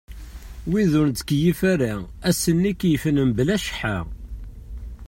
Wid ur nettkeyyif ara, ass-nni keyyfen mebla cceḥḥa.